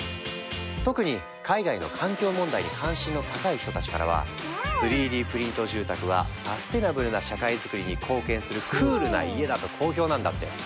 特に海外の環境問題に関心の高い人たちからは３Ｄプリント住宅はサステナブルな社会づくりに貢献するクールな家だと好評なんだって。